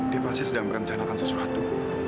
dia pasti sedang merencanakan sesuatu